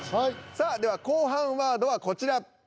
さあでは後半ワードはこちら。